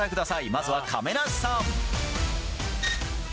まずは亀梨さん。